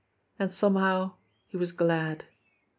And somehow he was glad.